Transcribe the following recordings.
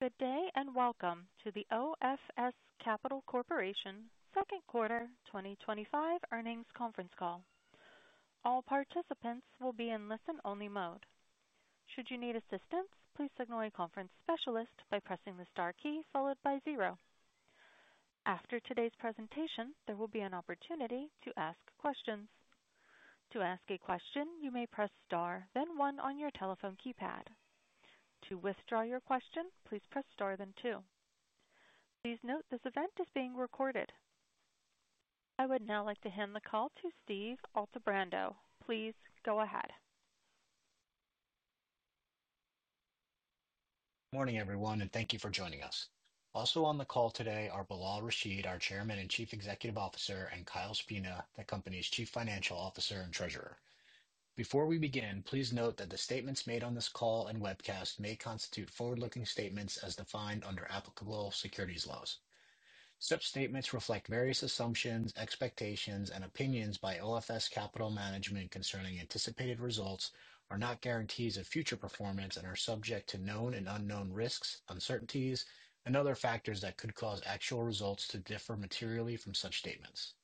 Good day and welcome to the OFS Capital Corporation second quarter 2025 earnings conference call. All participants will be in listen-only mode. Should you need assistance, please signal a conference specialist by pressing the star key followed by zero. After today's presentation, there will be an opportunity to ask questions. To ask a question, you may press star, then one on your telephone keypad. To withdraw your question, please press star, then two. Please note this event is being recorded. I would now like to hand the call to Steve Altebrando. Please go ahead. Morning everyone, and thank you for joining us. Also on the call today are Bilal Rashid, our Chairman and Chief Executive Officer, and Kyle Spina, the company's Chief Financial Officer and Treasurer. Before we begin, please note that the statements made on this call and webcast may constitute forward-looking statements as defined under applicable securities laws. Such statements reflect various assumptions, expectations, and opinions by OFS Capital Management concerning anticipated results, are not guarantees of future performance, and are subject to known and unknown risks, uncertainties, and other factors that could cause actual results to differ materially from such statements.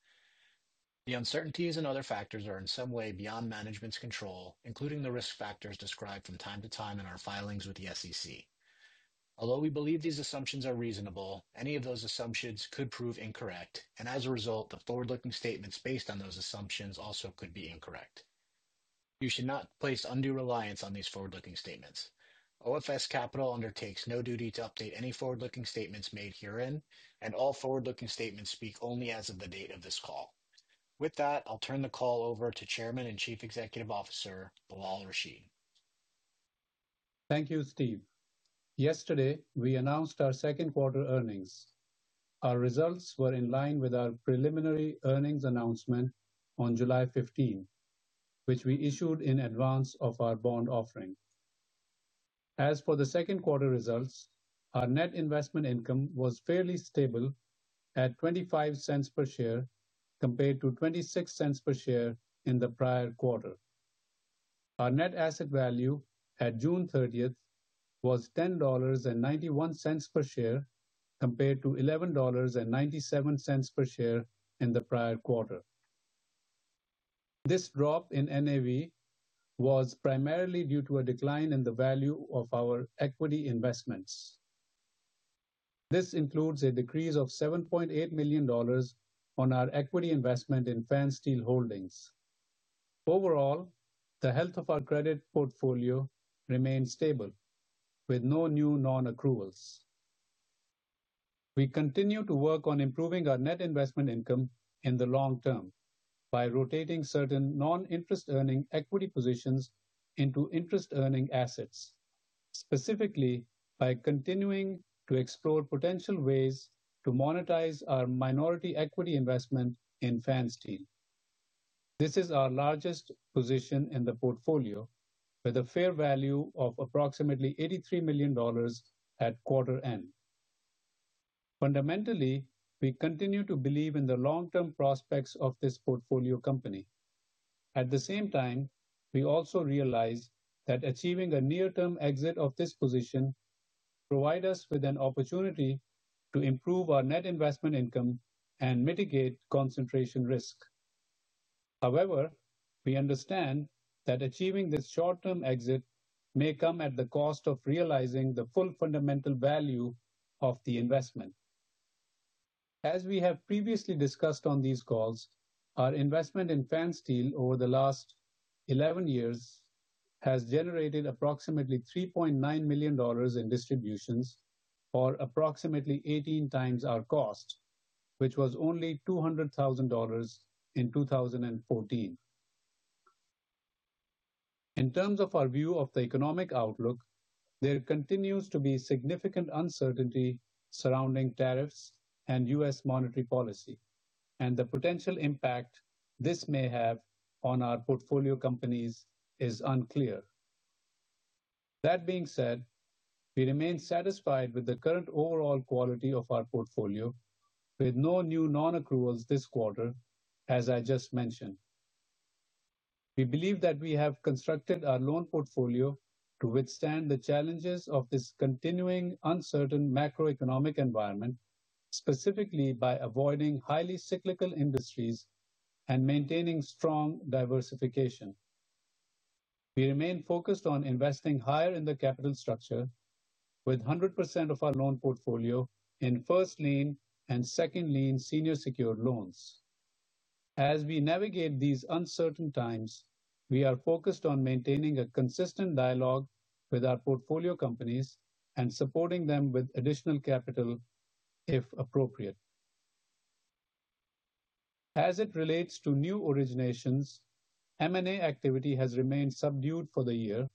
The uncertainties and other factors are in some way beyond management's control, including the risk factors described from time to time in our filings with the SEC. Although we believe these assumptions are reasonable, any of those assumptions could prove incorrect, and as a result, the forward-looking statements based on those assumptions also could be incorrect. You should not place undue reliance on these forward-looking statements. OFS Capital undertakes no duty to update any forward-looking statements made herein, and all forward-looking statements speak only as of the date of this call. With that, I'll turn the call over to Chairman and Chief Executive Officer Bilal Rashid. Thank you, Steve. Yesterday, we announced our second quarter earnings. Our results were in line with our preliminary earnings announcement on July 15, which we issued in advance of our bond offering. As for the second quarter results, our net investment income was fairly stable at $0.25 per share compared to $0.26 per share in the prior quarter. Our net asset value at June 30 was $10.91 per share compared to $11.97 per share in the prior quarter. This drop in net asset value was primarily due to a decline in the value of our equity investments. This includes a decrease of $7.8 million on our equity investment in Fansteel Holdings. Overall, the health of our credit portfolio remains stable, with no new non-accruals. We continue to work on improving our net investment income in the long term by rotating certain non-interest-earning equity positions into interest-earning assets, specifically by continuing to explore potential ways to monetize our minority equity investment in Fansteel Holdings. This is our largest position in the portfolio, with a fair value of approximately $83 million at quarter end. Fundamentally, we continue to believe in the long-term prospects of this portfolio company. At the same time, we also realize that achieving a near-term exit of this position provides us with an opportunity to improve our net investment income and mitigate concentration risk. However, we understand that achieving this short-term exit may come at the cost of realizing the full fundamental value of the investment. As we have previously discussed on these calls, our investment in Fansteel Holdings over the last 11 years has generated approximately $3.9 million in distributions, or approximately 18 times our cost, which was only $200,000 in 2014. In terms of our view of the economic outlook, there continues to be significant uncertainty surrounding tariffs and U.S. monetary policy, and the potential impact this may have on our portfolio companies is unclear. That being said, we remain satisfied with the current overall quality of our portfolio, with no new non-accruals this quarter, as I just mentioned. We believe that we have constructed our loan portfolio to withstand the challenges of this continuing uncertain macroeconomic environment, specifically by avoiding highly cyclical industries and maintaining strong diversification. We remain focused on investing higher in the capital structure, with 100% of our loan portfolio in first lien and second lien senior secured loans. As we navigate these uncertain times, we are focused on maintaining a consistent dialogue with our portfolio companies and supporting them with additional capital if appropriate. As it relates to new originations, M&A activity has remained subdued for the year.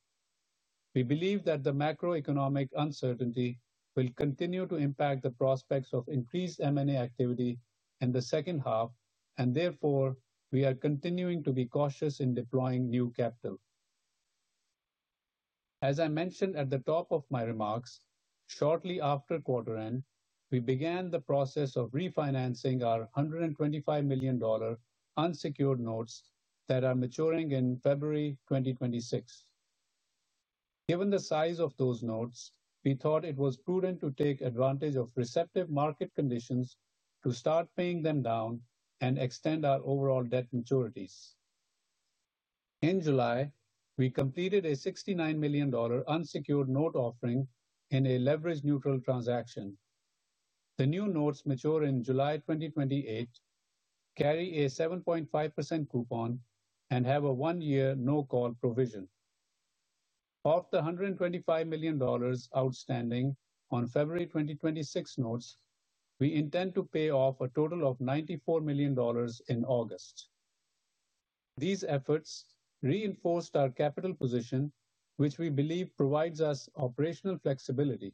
We believe that the macroeconomic uncertainty will continue to impact the prospects of increased M&A activity in the second half, and therefore we are continuing to be cautious in deploying new capital. As I mentioned at the top of my remarks, shortly after quarter end, we began the process of refinancing our $125 million unsecured notes that are maturing in February 2026. Given the size of those notes, we thought it was prudent to take advantage of receptive market conditions to start paying them down and extend our overall debt maturities. In July, we completed a $69 million unsecured note offering in a leverage-neutral transaction. The new notes mature in July 2028, carry a 7.5% coupon, and have a one-year no-call provision. Of the $125 million outstanding on February 2026 notes, we intend to pay off a total of $94 million in August. These efforts reinforced our capital position, which we believe provides us operational flexibility.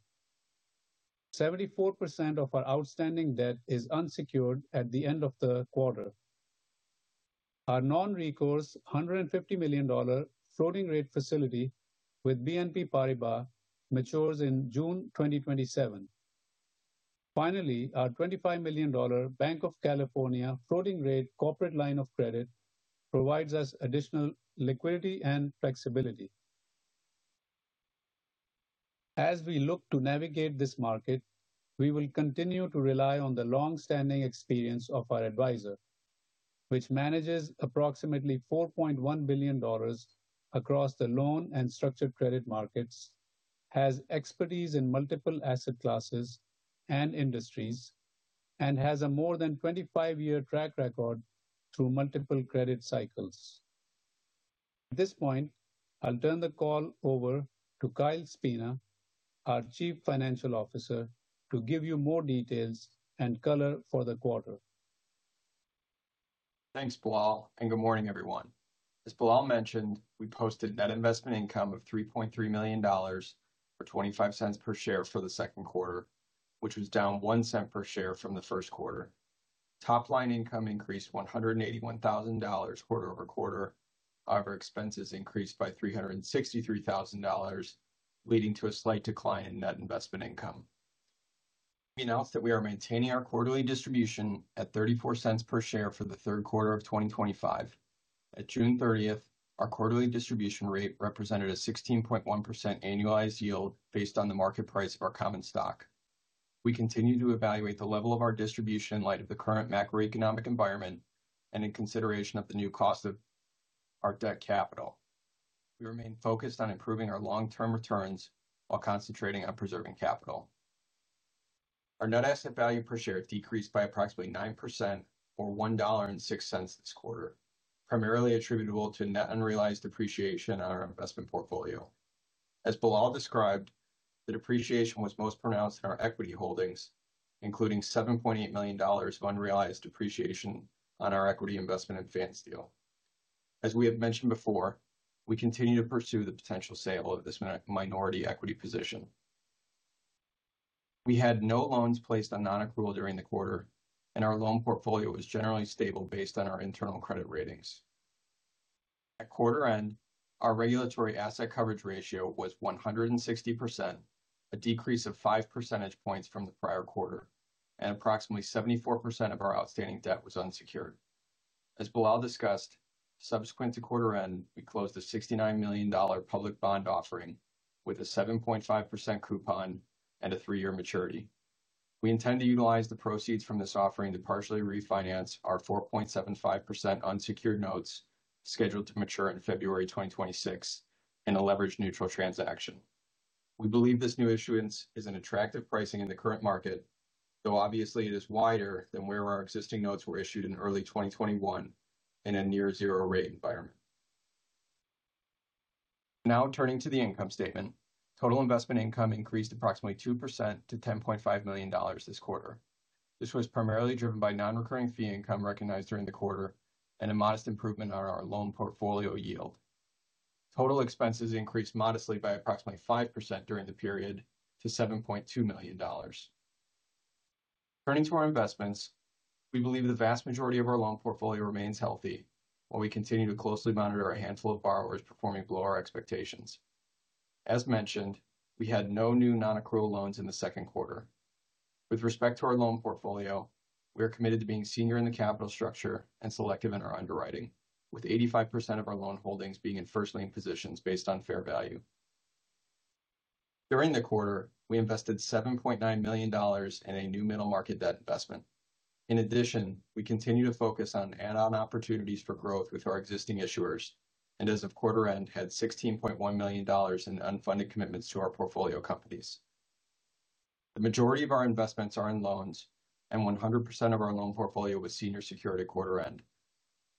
74% of our outstanding debt is unsecured at the end of the quarter. Our non-recourse $150 million floating rate facility with BNP Paribas matures in June 2027. Finally, our $25 million Bank of California floating rate corporate line of credit provides us additional liquidity and flexibility. As we look to navigate this market, we will continue to rely on the longstanding experience of our advisor, which manages approximately $4.1 billion across the loan and structured credit markets, has expertise in multiple asset classes and industries, and has a more than 25-year track record through multiple credit cycles. At this point, I'll turn the call over to Kyle Spina, our Chief Financial Officer, to give you more details and color for the quarter. Thanks, Bilal, and good morning everyone. As Bilal mentioned, we posted net investment income of $3.3 million or $0.25 per share for the second quarter, which was down $0.01 per share from the first quarter. Top line income increased $181,000 quarter over quarter, however, expenses increased by $363,000, leading to a slight decline in net investment income. We announced that we are maintaining our quarterly distribution at $0.34 per share for the third quarter of 2025. At June 30, our quarterly distribution rate represented a 16.1% annualized yield based on the market price of our common stock. We continue to evaluate the level of our distribution in light of the current macroeconomic environment and in consideration of the new cost of our debt capital. We remain focused on improving our long-term returns while concentrating on preserving capital. Our net asset value per share decreased by approximately 9% or $1.06 this quarter, primarily attributable to net unrealized depreciation on our investment portfolio. As Bilal described, the depreciation was most pronounced in our equity holdings, including $7.8 million of unrealized depreciation on our equity investment in Fansteel Holdings. As we have mentioned before, we continue to pursue the potential sale of this minority equity position. We had no loans placed on non-accrual during the quarter, and our loan portfolio was generally stable based on our internal credit ratings. At quarter end, our regulatory asset coverage ratio was 160%, a decrease of 5 percentage points from the prior quarter, and approximately 74% of our outstanding debt was unsecured. As Bilal discussed, subsequent to quarter end, we closed a $69 million public bond offering with a 7.5% coupon and a three-year maturity. We intend to utilize the proceeds from this offering to partially refinance our 4.75% unsecured notes scheduled to mature in February 2026 in a leverage-neutral transaction. We believe this new issuance is an attractive pricing in the current market, though obviously it is wider than where our existing notes were issued in early 2021 in a near-zero rate environment. Now turning to the income statement, total investment income increased approximately 2% to $10.5 million this quarter. This was primarily driven by non-recurring fee income recognized during the quarter and a modest improvement on our loan portfolio yield. Total expenses increased modestly by approximately 5% during the period to $7.2 million. Turning to our investments, we believe the vast majority of our loan portfolio remains healthy, while we continue to closely monitor a handful of borrowers performing below our expectations. As mentioned, we had no new non-accrual loans in the second quarter. With respect to our loan portfolio, we are committed to being senior in the capital structure and selective in our underwriting, with 85% of our loan holdings being in first lien positions based on fair value. During the quarter, we invested $7.9 million in a new middle market debt investment. In addition, we continue to focus on add-on opportunities for growth with our existing issuers and, as of quarter end, had $16.1 million in unfunded commitments to our portfolio companies. The majority of our investments are in loans, and 100% of our loan portfolio was senior secured at quarter end.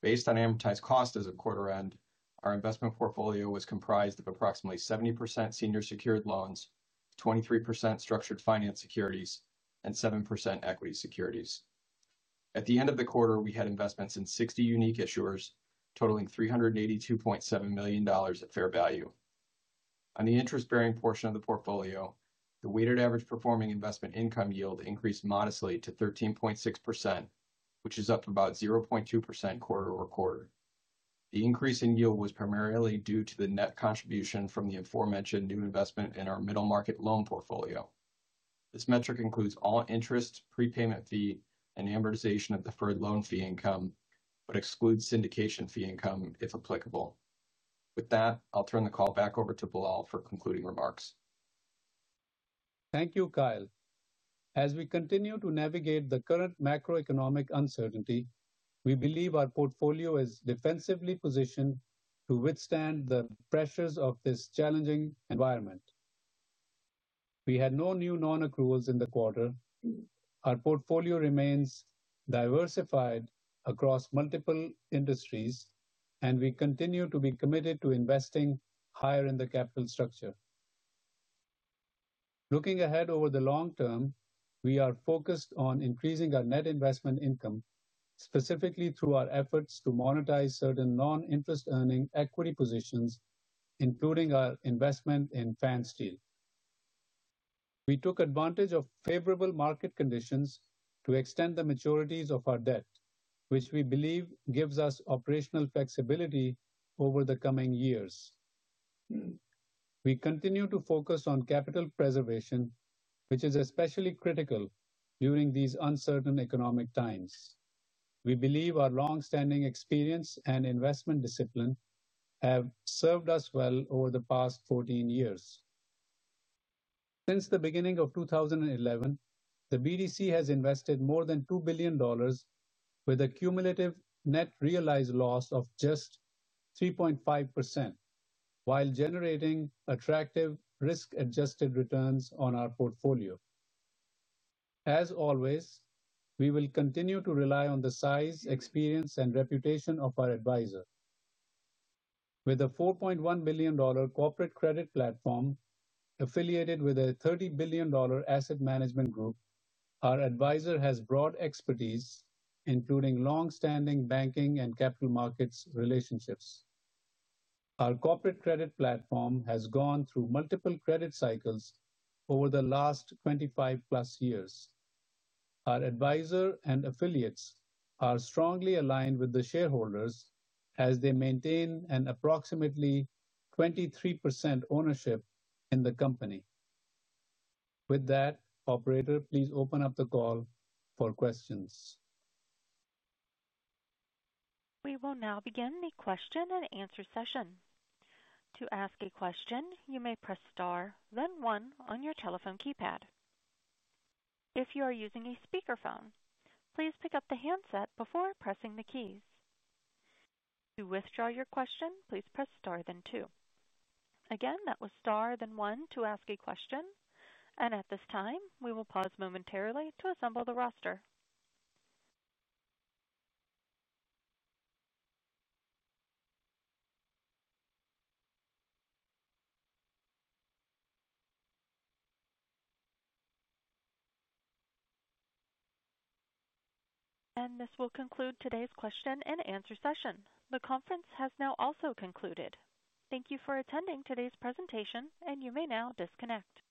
Based on amortized costs as of quarter end, our investment portfolio was comprised of approximately 70% senior secured loans, 23% structured finance securities, and 7% equity securities. At the end of the quarter, we had investments in 60 unique issuers, totaling $382.7 million at fair value. On the interest-bearing portion of the portfolio, the weighted average performing investment income yield increased modestly to 13.6%, which is up about 0.2% quarter over quarter. The increase in yield was primarily due to the net contribution from the a fore mentioned new investment in our middle market loan portfolio. This metric includes all interest, prepayment fee, and amortization of deferred loan fee income, but excludes syndication fee income if applicable. With that, I'll turn the call back over to Bilal for concluding remarks. Thank you, Kyle. As we continue to navigate the current macroeconomic uncertainty, we believe our portfolio is defensively positioned to withstand the pressures of this challenging environment. We had no new non-accruals in the quarter. Our portfolio remains diversified across multiple industries, and we continue to be committed to investing higher in the capital structure. Looking ahead over the long term, we are focused on increasing our net investment income, specifically through our efforts to monetize certain non-interest-earning equity positions, including our investment in Fansteel Holdings. We took advantage of favorable market conditions to extend the maturities of our debt, which we believe gives us operational flexibility over the coming years. We continue to focus on capital preservation, which is especially critical during these uncertain economic times. We believe our longstanding experience and investment discipline have served us well over the past 14 years. Since the beginning of 2011, the BDC has invested more than $2 billion, with a cumulative net realized loss of just 3.5%, while generating attractive risk-adjusted returns on our portfolio. As always, we will continue to rely on the size, experience, and reputation of our advisor. With a $4.1 billion corporate credit platform affiliated with a $30 billion asset management group, our advisor has broad expertise, including longstanding banking and capital markets relationships. Our corporate credit platform has gone through multiple credit cycles over the last 25-plus years. Our advisor and affiliates are strongly aligned with the shareholders, as they maintain an approximately 23% ownership in the company. With that, operator, please open up the call for questions. We will now begin a question and answer session. To ask a question, you may press star, then one on your telephone keypad. If you are using a speakerphone, please pick up the handset before pressing the keys. To withdraw your question, please press star, then two. Again, that was star, then one to ask a question. At this time, we will pause momentarily to assemble the roster. This will conclude today's question and answer session. The conference has now also concluded. Thank you for attending today's presentation, and you may now disconnect.